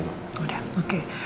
terus soal andi